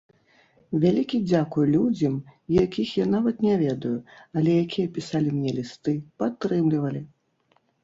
Вялікі дзякуй людзям, якіх я нават не ведаю, але якія пісалі мне лісты, падтрымлівалі.